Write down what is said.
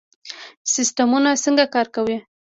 سیستمونه څنګه کار کوي؟